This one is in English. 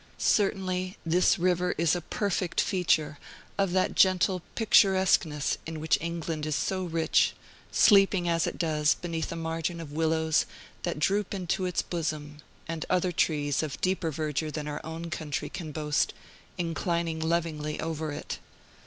Certainly, this river is a perfect feature of that gentle picturesqueness in which England is so rich, sleeping, as it does, beneath a margin of willows that droop into its bosom, and other trees, of deeper verdure than our own country can boast, inclining lovingly over it.